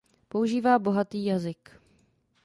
Používá bohatý jazyk.